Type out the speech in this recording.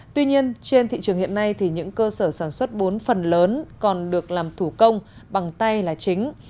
tuy nhiên trên thị trường hiện nay thì những cơ sở sản xuất bún phần lớn còn được làm thủ công bằng tay là chính